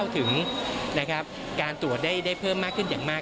ถึงนะครับการตรวจได้เพิ่มมากขึ้นอย่างมาก